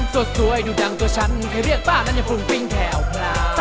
สวยดูดังตัวฉันใครเรียกป้านั้นอย่าฟุ่งปิ้งแถวพลา